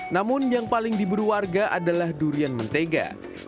namun yang paling diburu warga adalah durian mentega